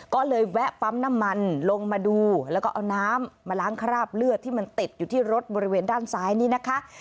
ก็เลยแวะปั๊มน้ำมันลงมาดูแล้วก็เอาน้ำมาล้างคราบเลือดที่มันติดอยู่ที่รถบริเวณด้านซ้ายนี้นะคะ